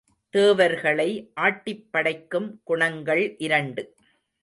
தேவர்களை ஆட்டிப்படைக்கும் குணங்கள் இரண்டு.